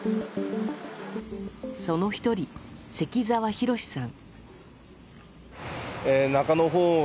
その１人、関澤浩さん。